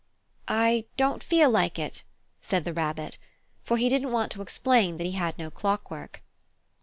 "I don't feel like it," said the Rabbit, for he didn't want to explain that he had no clockwork.